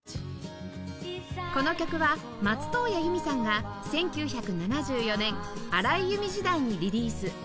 この曲は松任谷由実さんが１９７４年荒井由実時代にリリース